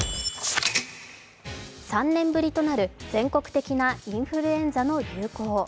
３年ぶりとなる全国的なインフルエンザの流行。